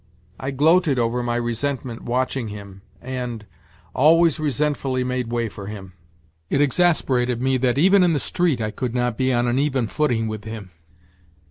I gloated over my resentment watching him and ... always resentfully made way for him. It exasperated me that even in the street I could not be on an even footing with him.